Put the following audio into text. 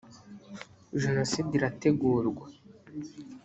jenoside irategurwa.